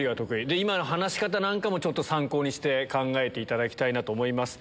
今の話し方なんかも参考にして考えていただきたいと思います。